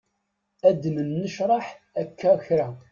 Ad nennecraḥ akka kra.